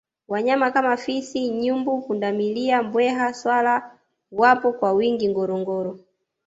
wanyama kama fisi nyumbu pundamilia mbweha swala wapo kwa wingi ngorongoro